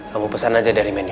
kamu pesan aja dari mana